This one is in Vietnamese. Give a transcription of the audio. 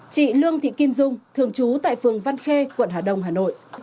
chị lương thị kim dung thường trú tại phường văn khê quận hà đông hà nội